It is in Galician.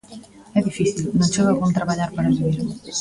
É dicir, non chega con traballar para vivir.